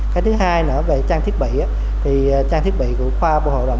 cái thứ hai nữa về trang thiết bị thì trang thiết bị của khoa bộ hội đồng